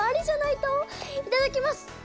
いただきます！